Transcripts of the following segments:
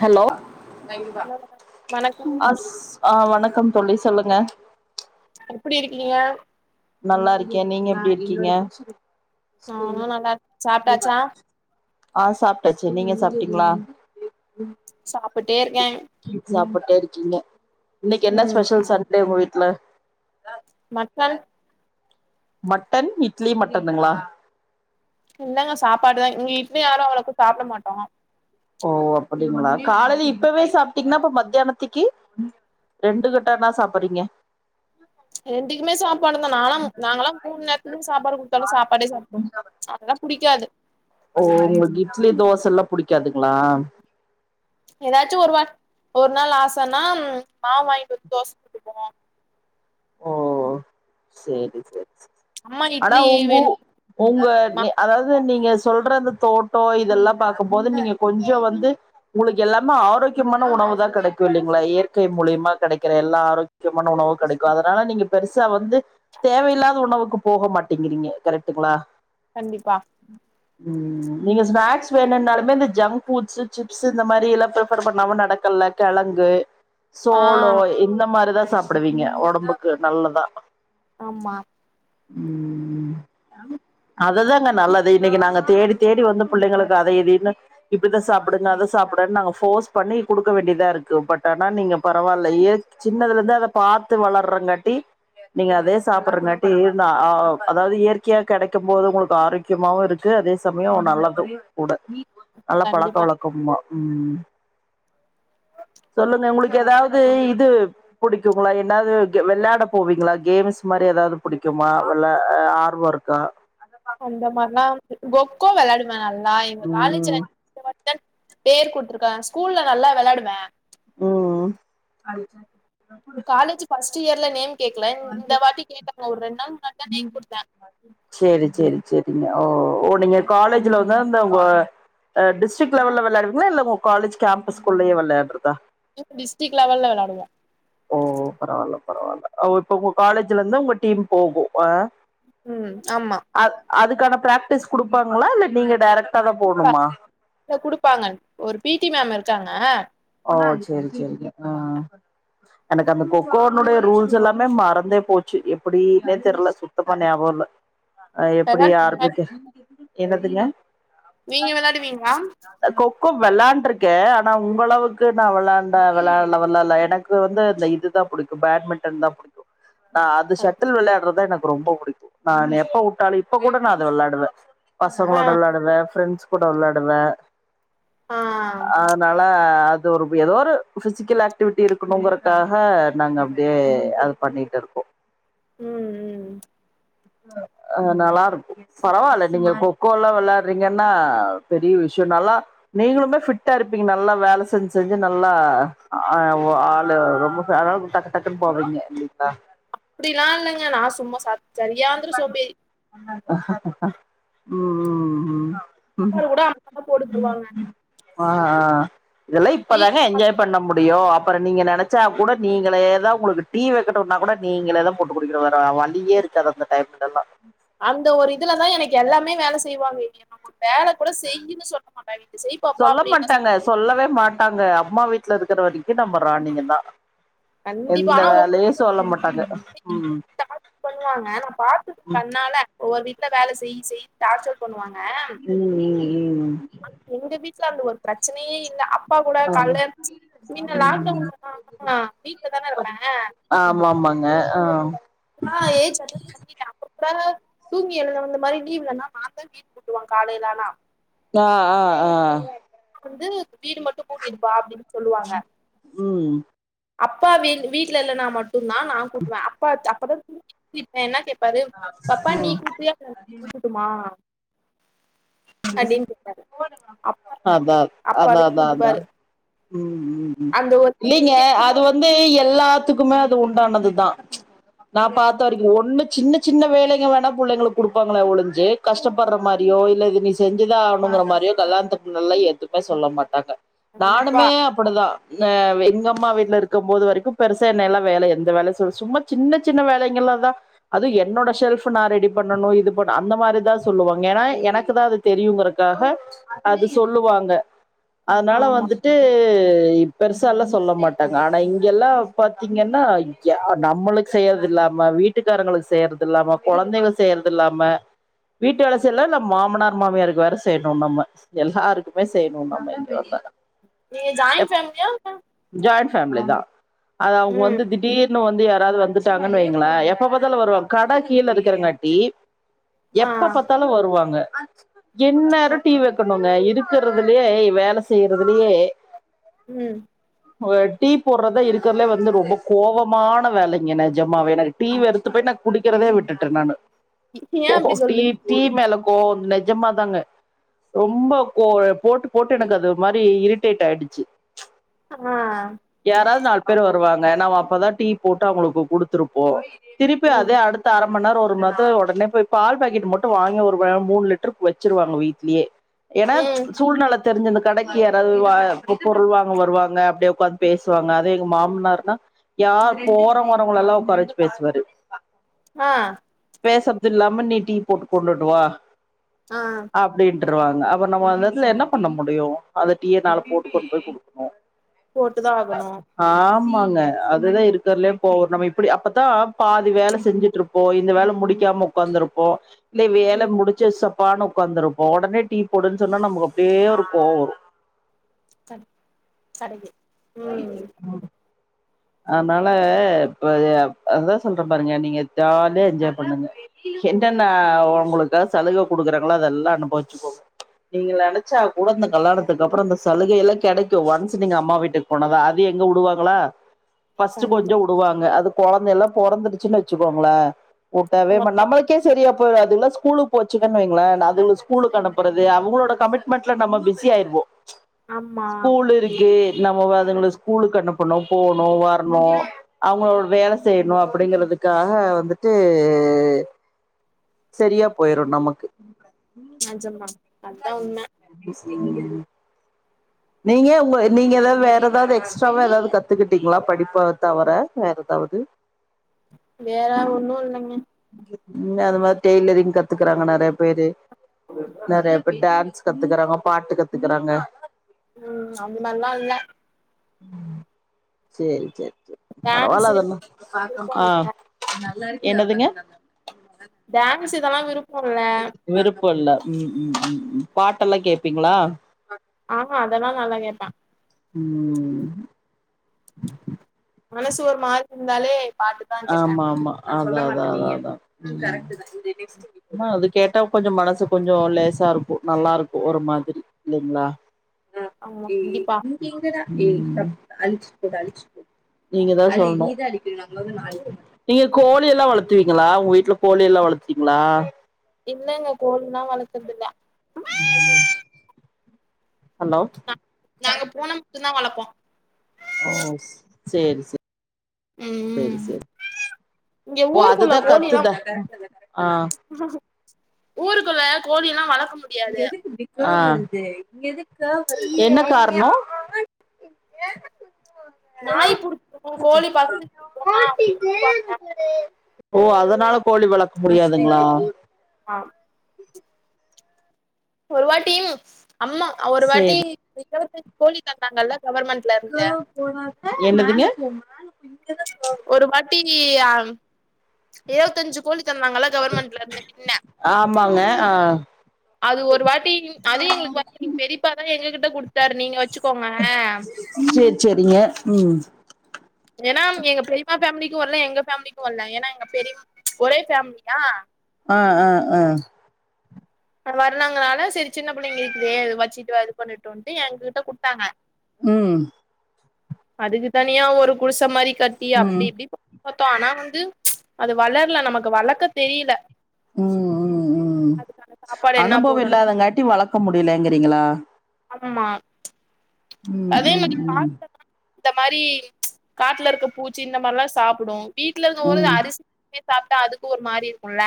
Hello hello வணக்கங்க அ ஆ வணக்கம் தோழி சொல்லுங்க எப்படி இருக்கீங்க நல்லா இருக்கே நீங்க எப்டி இருக்கீங்க நானு நல்லா இருக்கே சாப்பிட்டாச்சா ஆ சாப்பிட்டாச்சு நீங்க சாப்பிட்டீங்ளா சாப்பிட்டே இருக்கே சாப்புட்டே இருக்கீங்க இன்னைக்கு என்ன ம் ஸ்பெஷல் சண்டே உங்க வீட்டுல மட்டன் மட்டன் இட்லி மட்டனுங்களா இல்லங்க சாப்பாடுதா இங்க இட்லி யாரு அவளளுக்கு சாப்பிட மாட்டோ ஓ அப்டிங்களா காலையில இப்பவே சாப்பிட்டீங்கன்னா இப்ப மத்தியானத்திக்கி ரெண்டு கட்டானா சாப்புடுறீங்க ரெண்டுக்குமே சாப்பாடுதா நாலா நாங்களா மூணு நேரத்துக்குமே சாப்பாடு குடுத்தாலு சாப்பாடே சாப்புடுவோ அதல்லா புடிக்காது ஓ உங்களுக்கு இட்லி தோசல்லா புடிக்காதுங்களா ஏதாச்சு ஒரு வா ஒரு நாள் ஆசன்னா மாவு வாங்கிட்டு வந்து தோசுட்டுக்குவோ ஓ சேரி செரி அம்மா ஆனா இட்லி உங்கு வேணு உங்க மாவு அரைப்பாங்க அதாவது அத நீங்க சொல்றத தோட்டோ இதெல்லா பாக்கும்போது நீங்க கொஞ்சோ வந்து உங்களுக்கு எல்லாமே ஆரோக்கியமான உணவு தா கெடைக்கு இல்லைங்களா இயற்கை மூலியமா கெடைக்கற எல்லா ஆரோக் முக்கியமான உணவு கெடைக்கு அதனால நீங்க பெருசா வ வந்து தேவையில்லாத உணவுக்கு போக மாட்டீங்கிறீங்க கரெட்டுங்களா கண்டிப்பா ம் ம் நீங்க ஸ்நாக்ஸ் வேணுன்னாலுமே இந்த ஜங்க் ஃபுட்ஸ்ஷூ சிப்ஸ் இந்த மாரி எல்லா பிரிஃபர் பண்ணாமு நடக்கல்ல கெழங்கு ஆ சோளோ இந்த மாரிதா சாப்பிடுவீங்க ஒடம்புக்கு நல்லதா ஆமா உம் அதுதாங்க நல்லது இன்னைக்கு நாங்க தேடி தேடி வந்து புள்ளைங்களுக்கு அதை இதைன்னு இப்டித்தா சாப்பிடுங்க அத சாப்பிடன்னு நாங்க போஃர்ஸ் பண்ணி குடுக்க வேண்டிதா இருக்கு பட் ஆனா நீங்க பரவால்ல இயற் சின்னதுல இருந்து அத பாத்து வளர்ங்காட்டி நீங்க அதே சாப்பிறங்காட்டி இந்தா ஆ அதாவது இயற்கையா கெடைக்கு போது உங்களுக்கு ஆரோக்கி கியமாவு இருக்கு அதே சமயோ நல்லது கூட நல்லா பழக்க கண்டிப்பா வழக்க கம்மா ம் சொல்லுங்க உங்களுக்கு எதாவது இது புடிக்குங்களா எதாவது வெள்ளாட போவீங்களா கேம்ஸ் மாரி எதாவது புடிக்குமா வள்ள ஆர்வோயிருக்கா அந்த மாரில்லா கொக்கோ வெளையாடுவே நல்லா எங்க காலேஜ்ல ம் [unintelligible] பேர் குடுத்துருக்க ஸ்கூல்ல நல்லா வெளாடுவே ம் காலேஜ்ல [unintelligible] காலேஜ்ஜூ ஃபஸ்ட் இயர்ல நேம் கேக்கல இந்த வாட்டி கேட்டாங்க ஒரு ரெண்டு நாள் முன்னாடிதா நேம் குடுத்த சேரி சேரி செரி மா ஓ ஓ நீங்க காலேஜ்ல வந்தா அந்த ஒ அ டிஸ்டிக் லெவல்ல வெளாடுவீங்ளா இல்ல உன் காலேஜ் கேம்பஸ் குள்ளயே வெள்யாட்றதா இப் டிஸ்டிக் லெவல்ல வெளாடுவோ ஓ பரவால பரவால ஓ இப்ப உங்க காலேஜ்ல இந்தா உங்க டீம் போகு ஆ ம் ஆமா அ அதுக்கான பிராக்டிஸ் குடுப்பாங்களா இல்ல நீங்க டேரெக்டா தா போணுமா இல்ல குடுப்பாங்க ஒரு பீ டி மேம் இருக்காங்க ஓ சேரி சேரிங்க ஆ எனக்கு அந்த கொக்கோனுடைய ரூல்ஸ் எல்லாமே மறந்தே போச்சு எப்டின்னே தெர்ல சுத்தமா ஞாப இல்ல அது எப்டி ஆரம்பிச்ச என்னதுங்க நீங்க வெளாடுவீங்ளா கொக்கோ வெளாண்ட்ருக்கே ஆனா உங்களவுக் கு நா வெளாண்ட வெளால வெளால எனக்கு வந்து இந்த இதுதா புடிக்கு பேட்மிட்டன்தா புடிக்கு நா அது ஷட்டில் வெள்யாட்றத எனக் ரொம்ப புடிக்கு நா எப்ப கூப்டாலு இப்ப கூட நா அத வெள்ளாடுவ ஆ பசங்களோட விள்ளாடுவ ஃப்ரெண்ட்ஸ் கூட வெள்ளாடுவ ஆ அதனால து உருபு எதோ ஒரு ஃபிசிக்கல் ஆக்டிவிட்டி இருக்குணுங்கறக்காக நாங்க அப்டியே அத பண்ணிட்டு இருக்கோ ம் ம் அ நல்லாருக்கும் பரவால நீங்க கொக்கோல்லா வெள்யாட்றீங்கன்னா பெரிய விஷ்யோ நல்லா நீங்களுதா ஃபிட்டா இருப்பீங்க நல்லா வேல செஞ் செஞ்சு நல்லா ஆ உ ஆளு ரொம்ப அதாவ்து டக்கு டக்குன்னு போவ ம் ம் ஆ அப்டிலா இல்லைங்க நா சும்மா சாப் சரியான சோம்பேறி ம் ம் ம் ம் சாப்பாடு கூட அம்மா தா போட்டு தருவாங்க ஆ ஆ அ இதெல்லா டீ இப்பதான என்ஜாய் பண்ண முடியோ அப்பறோ நீங்க நெனச்சா கூட நீங்களேதா உங்களுக்கு டீ வெக்கட்டுன்னா கூட நீங்களேதா போட்டுக் குடிக்கறோ வற வழியே இருக்காது அந்த ஹேக் பண்ணா அந்த ஒரு இதுலதா எனக்கு எல்லாமே வேல செய்வாங்க இது ஒரு வேல கூட செய்யின்னு சொல்ல மாட்டா இத செய் பாப்பா சொல்ல அப்டின்தா மாட்டாங்க சொல்லவே மாட்டாங்க அம்மா வீட் ல இருக்குற வரிக்கு நம்ப ராணிங்கதா கண்டிப்பா எந்த ஆனா வேலயு சொல்ல மாட்டாங்க ம் டார்ச் பண்ணுவாங்க நா பாத்துருக்க கண்ணால உன் வீட்ல வேல செய் செயின்னு டார்ச்சல் பண்ணுவாங்க ம் ம் ம் அ எங்க வீட்ல அந்த ஒரு பிரச்சனயே இல்ல அப் பா கூட ஆமா காய்ல மின்ன லாக்டவுன்லா [inaudible] வீட்ல தான இருப்பே ஆமாமாங்க ஆ ஆ ஏஜ் அட்டன் [inaudible] தூங்கி எழுந்த வந்த இந்த மாரி லீவுலன்னா நான்தா வீடு கூட்டுவ காலைல ஆனா நா அ ஆ வந்து வீடு மட்டும் கூட்டிருப்பா அப்டின் சொல்லுவாங்க ம் அப்பா வீ வீட்டுல இல்லனா மட்டும் தா நா கூட்டுவ அப்பா அப்பதா தூங் [inaudible] என்ன கேப்பாரு பப்பா நீ ம் கூட்ரியா [inaudible] நா கூட்டடுமா அதா அதா அப்பாவே அதா அதா கூட்டுப்பாரு உம் உம் உம் அந்த ஒரு கேள்வி இல்லேங்க கேட்கும் அது போது வந்து எல்லா த்துக்குமே அது உண்டானதுதா நா பாத்த வரைக்கு ஒண்ணு சின்ன சின்ன வேலைங்க வேணா புள்ளைங்களுக்கு குடுப்பாங்களே ஒழிஞ்சு கஷ்டப்பட்ற மாரியோ இல்ல இனி செஞ்சுதா ஆகணுங்குற மாரியொ கல்யாணத்துக்கு முன்னல்லா எதுவுமே சொல்ல மாட்டாங்க கண்டிப்பா நானுமே அப்படிதா எங்க ம்மா வீட்ல இருக்கும்போது வரைக்கு பெருசா என்னெல்லா வேல எந்த வேலயு சொல்லு சும்மா சின்ன சின்ன வேலைகள்லா தா அதுவு என்னோட செல்ஃப் நா ரெடி பண்ணணு இது பண்ண அந்த மாரிதா சொல்லுவாங்க ஏன்னா எனக்கு தா தெரியுங்கறக்காக அது சொல்லுவாங்க அதனால ஆமா வந்துட்டு பெருசால்லா சொல்ல மாட்டாங்க ஆனா இங்கெல்லா பாத்தீங்கன்னா நம்மளுக்கு செய்யறது இல்லாம வீட்டு வீட்டுக்காரங்களுக்கு செய்றதி ல்லாம குழந்தைகள் செய்யறதி ல்லாம வீட்டு வேல செல்ல ன மாமனார் னர் மாமியாருக்கு வேற செய்யணு நம்ம எல்லாருக்குமே செய்யணு நம்ம இங்க வந்தா நீங்க ஜாயிண்ட் ஃபேமிலியா இல ஜாயிண்ட் ஃபேமிலி தா அது அவங்க ம் வந்து திடீர் ன்னு வந்து யாராவது வந்துட்டாங்கன்னு வைங்ளே எப்ப பத்தாலு வருவாங்க கட கீழ இருக்குறங்காட்டி ஆ எப்ப பாத்தாலு வருவாங்க ஆ என்னேரம் டீ வெக்கணுங்க இருக்குறதுலயே வேல செய்யறதுலயே ம் ஒ டீ போட்றதா இருக்குறதுலே வந்து ரொம்ப கோபமான வேலங்க நெஜமாவே ஏனா டீ வெறுத்து போய் நா குடிக்கிறதே விட்டுட்ட நானு ஏன் அப்டி டீ சொல்றீங்க டீ மேல கோவந்து நெஜமாதாங்க ரொம்ப கோ போட்டு போட்டு எனக்கு அது ஒருமாரி இரிட்டேட் ஆயிடுச்சு ஆ யாராவது நாலு பேர் வருவாங்க நம்ம அப்பதா டீ போட்டு அவங்களுக்கு குடுத்துருப்போ திருப்பி ம் அதே அடுத்து அடுத்து அரமண் நேரொ ஒரு மணி நேரத்துல ஒடனே போய் பால் பாக்கெட் மட்டு வாங்கி ஒரு மூன் லிட்டர் ட்டர் வச்சிருவாங்க வீட்லியே ஏன்னா ம் சூழ்நெல தெரிஞ்சு இந்த கடக்கி யாராவது பொருள் வாங்க வருவாங்க அப்டியே உக்காந்து பேசி வாங்க அது எங்க மாமனார்னா யார் போற வரவங்கள எல்லா ஒக்காரவச்சு பேசுவாரு ஆ பேசப்தில்லாம நீ டீ போட்டு கொண்டுட்டு வா ஆ அப்டின்றுவாங்க அப்ப நம்ம அந்த எடதுல என்ன பண்ண முடியு அத டீயனால போட்டு கொண்டு போய் குடுக்கணு போட்டுதான் அ ஆகணும் ஆமாங்க அதுதா இருக்குறதுலயே இப்போ நம்ம இப்படி அப்பதா பாதி வேல செஞ்சுட்ருப் ப்போ இந்த வேல முடிக்காம உக்காந்துருப்போ இல்ல வேல ம் முடிச்சு சப்பான்னு உக்காந்துருபோ உடனே டீ போடுன்னு சொன்னா நமக்கு அப்டியே ஒரு கோவ் வரு ச சடங்கு ம் அதனால இப்ப அது அதா சொல்ற பாருங்க நீங்க ஜாலிய எஜ்ஜாய் பண்ணுங்க என்னென்ன உங்களுக்க சலுக குடுக்குறாங்களோ அதெல்லா அனுபவிச்சுக்கோங்க நீங்க நெனைச்சா கூட அந்த கல்லாணத்துக்கப்பறொ அந்த சலுகைல்ல கெடைக்கு ஒன்ஸ் நீங்க அம்மா வீட்டுக்கு போனதா அது எங்க வுடுவாங்களா பஸ்ட்டு கொஞ்ச கண்டிப்பா உடுவாங்க அது கொழந்தல்லா பொறந்துடுச்சுன்னா வச்சுக்கோங்களே உடவே மா அவ்வளவுதான். நம்ம கே சரியா போய்டு அதுங்கலா ஸ்கூலுக் போச்சுகன்னு வைங்களே அதுங்கள ஸ்கூலக்கு அனுப்புறது அவங்களோட கமிட்டி மட்ல நம்ம பிஸி ஆயிர்வோ ஆமா ஸ்கூலுருக்கு நம்ம அதுங்கள ஸ்கூலுக்கனுப்பனு போணு வரணு அவுங்களோட வேல செய்யணு அப்டிங்கறதுக் காக வந்துட்டு சரியா போயிரு நமக்கு நெஜம்மா ம் நீங்க ஒங்க நீங்க ஏதாது வேற ஏதாது எக்ஸ்ட்ராவா ஏதாது கத்துக்கிட்டீங்களா படிப்ப தவர வேற ஏதாவது வேற ஒன்னு இல்லங்க இங்க அது மாரி டெய்லரிங் கத்துக்கறாங்க நெறைய பேரு நெறையப் இப்ப டான்ஸ் கத்துக்கறாங்க பாட்டு கத்துக்கறாங்க ம் அந்த மார்ல்லா இல்ல ம் சேரி சேரி சேர் பரவால்ல டான்ஸு அதல்லா விருப்போ இல்ல என்னதுங்க டான்ஸ்க்கு எல்லா விருப்ப இல்ல விருப்ப இல்ல ம்ம்ம்ம் பாட்டெல்லா கேப்பீங்களா அ அதல்லா நல்லா கேப்ப ம் மனசு ஒரு மாரி இருந்தாலே பாட்டுதா கேப்பே ஆமா ஆமா அதாதா அதா அதா ம் ம் அ அது கேட்டா கொஞ்சோ மனசு கொஞ்சோ லேசாருக்கும் நல்லாருக்கும் ஒரு மாதிரி இல்லீங்களா அ ஆமா கண்டிப்பா ம் நீங்கதா சொல்னு நீங்க கோழியெல்லா வளத்துவீங்களா ஒங்க வீட்ல கோழியெல்லா வளத்த வீங்களா இல்லங்க கோழில்லா வளக்குறதில்ல ம் ஹலோ நா நாங்க பூன மட்டுந்தா வளப்போ ஓ சேரி சே சேரி ம் சேரி இங்க ஓ ஊருக்குள்ள அதுதா கோழிலா கத்துதா அ ஊருக்குள்ள கோழில்லா வளக்க முடி அ என்ன கார்ண [inaudible] [inaudible] நாய் புடிச்சிரு கோழி பக்கத்து போனா ஓ அதுனால கோழி வளக் முடியாதுங்களா அ ஒரு வாட்டி அம்மா ஒரு வாட்டி சேரி இருவத்தஞ்சு கோழி தந்தாங்கல்ல கவர்மண்ட் ல இருந்து என்னதுங்க [unintelligible] ஒரு வாட்டி அம் இருவத்தஞ்சு கோழி தந்தாங்கள்ள கவர்மெண்ட்லருந்து மின்ன அ அது ஒரு வாட்டி அது எங்களுக்கு வந்து எங்க பெரியப்பாதா எங்ககிட்ட குடுத்தாரு நீங்க வச்சுக்கோங்க சேர் சேரிங்க ம் ஏனா எங்க பெரிப்பா ஃபேம்லிக்கும் வர்ல்ல எங்க ஃபேம்லிக்கும் வர்ல்ல ஏனா எங்க பெரி ஒரே ஃபேம்லிதா அ அ அ வர்ல்லங்கன்னால சேரி சின்ன புள்ளைங்க இருக்குதே அது வச்சிட்டு இது பண்ணுட்டுன்ட்டு எயங்கிட்ட குடுத்தாங்க ம் அதுக்கு தனியா ஒரு குடிச மாரி கட்டி அப்டி ம் இப்டி பாத்தோ ஆனா வந்து அது வளர்ல நமக்கு வளக்க தெரில ம் ம் ம் சாப்பாடு என்ன அனுபவ போடணு இல்லாதங்காட்டி வளக்க முடியலங்கிறீங்ளா ஆம்மா ம் அதே மாரி ம் ம் பாத்த இந்த மாரி காட்டுல இருக்க பூச்சி இந்த மாரிலா சாப்பிடு வீட்டுல இருந்து ஒரு ம் அரிசி சாப்ட்டா அதுக்கு ஒரு மாரி இருக்குல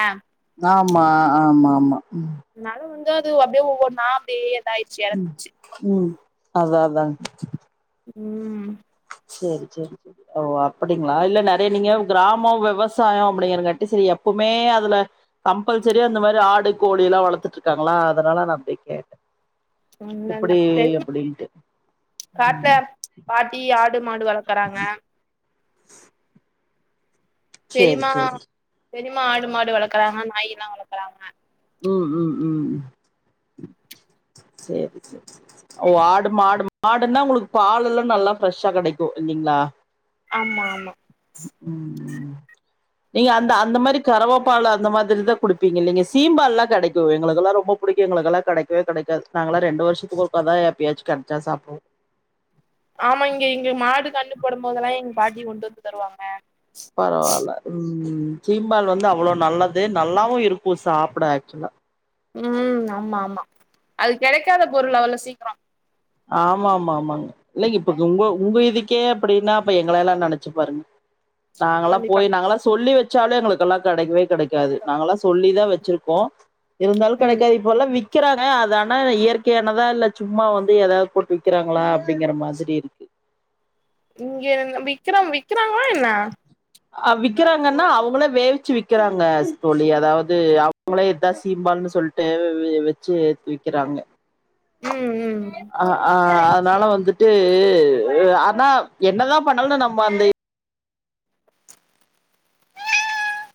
ஆமா ஆமா ஆமா ம் அதனால வந்து அது அப்டியே ஒவ்வொன்னா அப்டியே எதாயிடுச்சு இறந்துச்சு ம் அதா அதா ம் சேரி சேரி சரி ஓ அப்டிங்களா இல்ல நிறைய நீங்க கிராமோ விவசாயோ அப்டிங்கறங்காட்டி சரி எப்பவுமே அதுல கம்பல்சரியா அந்த மாரி ஆடு கோழில்லா வளத்துட்டு இருக்காங்களா அதனால நா அப்டியே கேட்டே இல்ல இல்ல எப்டி அப்டின்ட்டு காட்ல ம் பாட்டி ஆடு மாடு வளக்குறாங்க சேரி பெரிமா சேரி பெரிமா ஆடு மாடு வளக்குறாங்க நாயிலா வளக்குறாங்க ம் ம் ம் சேரி சேரி ஓ ஆடு மாடு மாடுனா உங்களுக்கு பாலுலா நல்லா ஃப்ரெஷ்ஷா கிடைக்கு இல்லைங்ளா ஆமா ஆமா ம் ம் நீங்க அந்த அந்த மாரி கரவ பால் அந்த மாதிரிதா குடுப்பீங்க இல்ல நீங்க சீம்பால்லா கிடைக்கு எங்களுக்கெல்லா ரொம்ப பிடிக்கு எங்களுக்கெல்லா கிடக்கவே கெடைக்காது நாங்கல்லா ரெண்டு வருஷத்துக்கு ஒர்காதா எப்பயாச்சு கிடச்சா சாப்டுவோ ஆமா இங்க இங்க மாடு கண்ணு போடும் போதெல்லா எங்க பாட்டி கொண்டு வந்து தருவாங்க பரவாயில்ல உம் சீம்பால் வந்து அவ்ளோ நல்லது நல்லாவு இருக்கு சாப்ட ஆக்சுவலா ம் ஆமா ஆமா அது கிடைக்காத பொருள் அவ்ள சீக்கிரோ ஆமா ஆமா ஆமாங்க இல்லங்க இப்ப உங்க உங்க இதுக்கே அப்பிடினா இப்ப எங்கலல்லா நினச்சு பாருங்க நாங்களா கண்டிப்பா போய் நாங்களா சொல்லி வச் வச்சாலு எங்களுக்கெல்லா கெடைக்கவே கெடைக்காது நாங்கல்லா சொல்லிதா வச்சிருக்கோ இருந்தாலு ம் கிடைக்காது இப்போலா விக்கிறாங்க அது ஆனா இயற்கையானதா இல்ல சும்மா வந்து இன்னு எதாவ்து போட்டு விக்கிறாங்களா அப்டிங்கிற மாதிரி இருக்கு இங்க விக்ரா விக்ராங்களா என்ன ஆ விக்கிறாங்கனா அவங்களே வேவிச்சு விக்கிறாங்க தோழி அதாவ்து அவங்களே இதா சீம்பால்னு சொல் ட்டு வெச்சு ஏத்து விக்கிறாங்க ம் ம் அ ஆ அதனால வந்துட் ட்டு ஆனா என்னதா பண்ணாலு நம்ம அந்த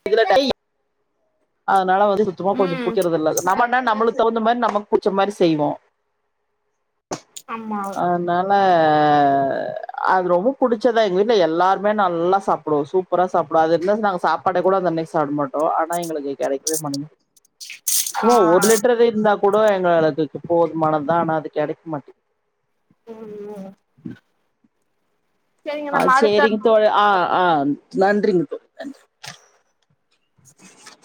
இதுல அதனால வந்து சுத்தமா கொஞ்சோ ம் புக்கறது இல்ல நம்மனா நம்மளுக்கு தகுந்த மாரி நமக்கு புச்ச மாரி செய்வோ ஆமா னால அது ரொம்ப புடிச்சதா எங்க வீட்டுல எல்லாருமே நல்லா சாப்டுவோ சூப் பரா சாப்டுவோ அது இருந்தா நாங்க சாப்பாடு கூட அன்னைக்கு சாப்ட மாட்டோ ஆனா எங்ளுக்கு கிடைக்கவே மாட்டிங்கு ஆ சும்மா ஒரு லிட்ரு இருந்தாக் கூட எங்க அளவுக்கு போதுமானதா ஆனா அது கிடைக்க மாட்டேங்குது ம் சரிங்க அ நம்ம சேரிங்க அடுத்த தோழ ஆ ஆ நன்றிங்க தோ நன்றி